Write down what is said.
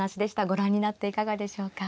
ご覧になっていかがでしょうか。